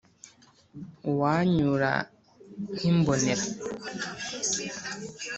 Uwancyura nk’ imbonera,